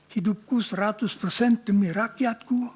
hidupku seratus persen demi rakyatku